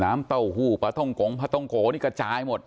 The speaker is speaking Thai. เต้าหู้ปลาท่องโกงปลาต้งโกนี่กระจายหมด